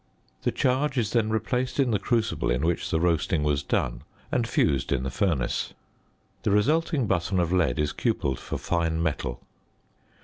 The charge is then replaced in the crucible in which the roasting was done and fused in the furnace. The resulting button of lead is cupelled for fine metal.